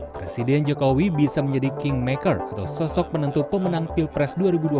presiden jokowi bisa menjadi kingmaker atau sosok penentu pemenang pilpres dua ribu dua puluh